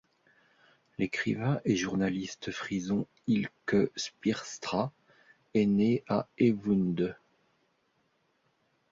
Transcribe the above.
L'écrivain et journaliste frison Hylke Speerstra est né à Eemswoude.